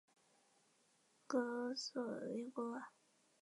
格罗索立功啦！